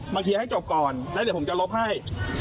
เคลียร์ให้จบก่อนแล้วเดี๋ยวผมจะลบให้